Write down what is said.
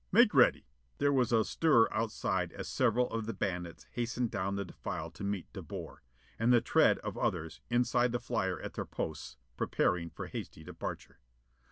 Make ready." There was a stir outside as several of the bandits hastened down the defile to meet De Boer. And the tread of others, inside the flyer at their posts, preparing for hasty departure.